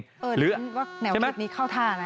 แนวเก็บนี้เข้าท่านะ